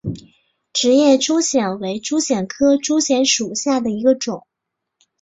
直叶珠藓为珠藓科珠藓属下的一个种。